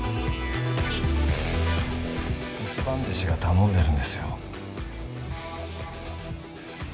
一番弟子が頼んでるんですよ。